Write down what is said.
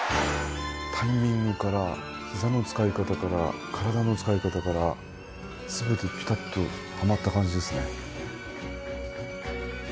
タイミングから膝の使い方から体の使い方から全てピタッとハマった感じですね。